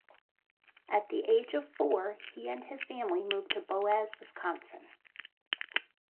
At the age of four, he and his family moved to Boaz, Wisconsin.